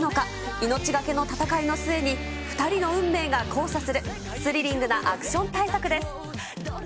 命懸けの戦いの末に、２人の運命が交差する、スリリングなアクション大作です。